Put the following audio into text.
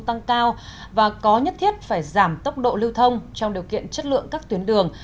tăng cao và có nhất thiết phải giảm tốc độ lưu thông trong điều kiện chất lượng các tuyến đường